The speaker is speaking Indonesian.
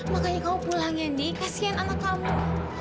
makanya kamu pulang indi kasian anak kamu